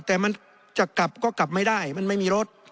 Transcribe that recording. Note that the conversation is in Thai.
แต่มันจะกลับก็กลับไม่ได้มันไม่มีรถ